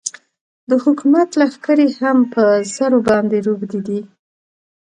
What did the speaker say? د حکومت لښکرې هم په زرو باندې روږدې دي.